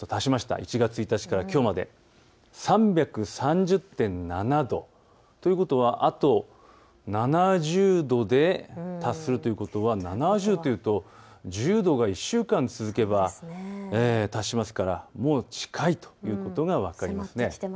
１月１日からきょうまで３３０．７度。ということは、あと７０度で達するということは７０というと１０度が１週間続けば達しますからもう近いということが分かります。